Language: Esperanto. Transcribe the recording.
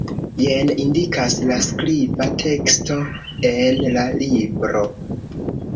Jen indikas la skriba teksto en la libro.